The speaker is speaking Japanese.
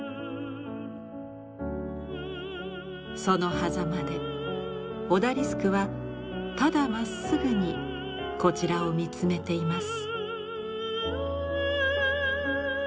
そのはざまでオダリスクはただまっすぐにこちらを見つめています。